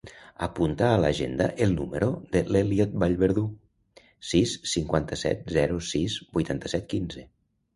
Apunta a l'agenda el número de l'Elliot Vallverdu: sis, cinquanta-set, zero, sis, vuitanta-set, quinze.